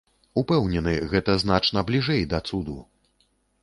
Упэўнены, гэта значна бліжэй да цуду.